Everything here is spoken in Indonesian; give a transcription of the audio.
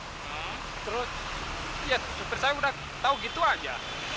terus ya supir saya sudah tahu gitu aja